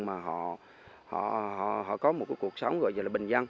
mà họ có một cuộc sống gọi như là bình dân